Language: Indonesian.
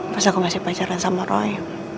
pas aku ngasih pacaran sama roy